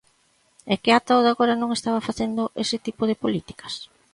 ¿É que ata o de agora non estaba facendo ese tipo de políticas?